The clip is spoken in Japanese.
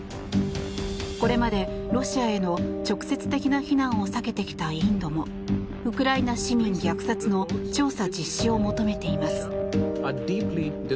これまでロシアへの直接的な非難を避けてきたインドもウクライナ市民虐殺の調査実施を求めています。